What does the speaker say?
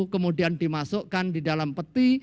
kemudian dimasukkan di dalam peti